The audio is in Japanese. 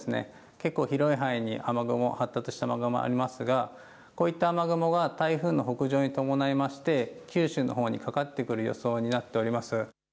結構、広い範囲で雨雲、発達した雨雲ありますがこういった雨雲は台風の北上に伴いまして九州の方にかかってくる予想になっております。